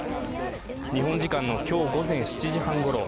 日本時間の今日午前７時半ごろ